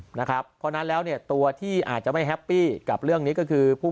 เพราะฉะนั้นตัวที่อาจจะไม่แฮปปี้กับเรื่องนี้ก็คือ